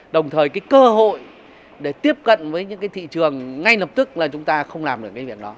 đồng thời cái cơ hội để tiếp cận với những cái thị trường ngay lập tức là chúng ta không làm được cái việc đó